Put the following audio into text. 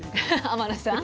天野さん？